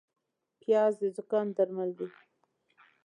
پیاز د زکام درمل دی